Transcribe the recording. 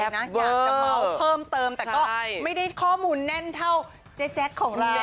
อยากจะเมาเพิ่มเติมแต่ก็ไม่ได้ข้อมูลแน่นเท่าเจ๊แจ๊คของเรา